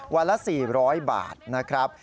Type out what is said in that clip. วันละ๔๐๐บาทนะครับ